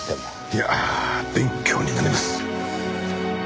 いや勉強になります。